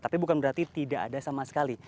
tapi bukan berarti tidak ada sama sekali